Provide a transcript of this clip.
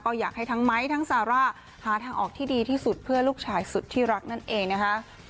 ก็อยากให้ทั้งไม้ทั้งซาร่าหาทางออกที่ดีที่สุดเพื่อลูกชายสุดที่รักนั่นเองนะคะ